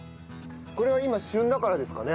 これは今旬だからですかね？